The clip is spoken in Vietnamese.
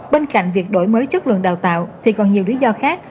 bên cạnh việc đổi mới chất lượng đào tạo thì còn nhiều lý do khác